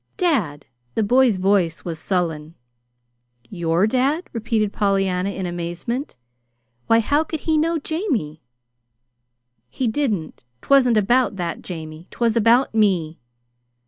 "Dad." The boy's voice was sullen. "Your dad?" repeated Pollyanna, in amazement. "Why, how could he know Jamie?" "He didn't. 'Twasn't about that Jamie. 'Twas about me."